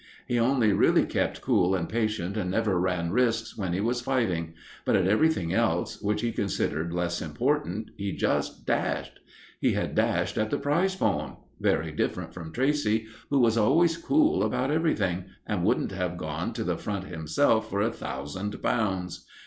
He only really kept cool and patient and never ran risks when he was fighting; but at everything else, which he considered less important, he just dashed. He had dashed at the prize poem very different from Tracey, who was always cool about everything, and wouldn't have gone to the Front himself for a thousand pounds.